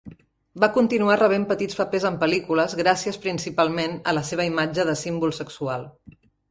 Va continuar rebent petits papers en pel·lícules gràcies, principalment, a la seva imatge de símbol sexual.